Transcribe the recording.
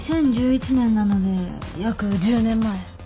２０１１年なので約１０年前。